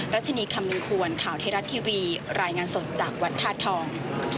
รัชนีคำนึงควรข่าวไทยรัฐทีวีรายงานสดจากวัดธาตุทอง